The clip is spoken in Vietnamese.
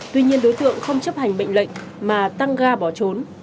tuy nhiên đối tượng không chấp hành mệnh lệnh mà tăng ga bỏ trốn